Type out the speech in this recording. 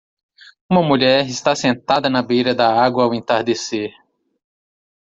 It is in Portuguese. Uma mulher está sentada na beira da água ao entardecer.